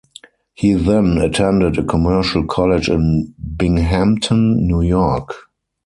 He then attended a commercial college in Binghamton, New York.